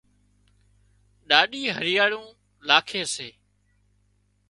ڏاڏِي هريئاۯيون لاکي سي